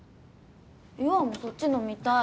優愛もそっち飲みたい。